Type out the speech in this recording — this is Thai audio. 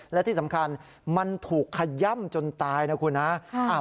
และที่สำคัญมันถูกขย่ำจนตายนะคุณนะ